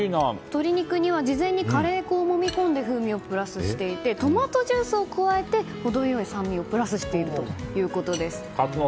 鶏肉には事前にカレー粉をもみ込んで風味をプラスしていてトマトジュースを加えて程良い酸味をプラスしているということです。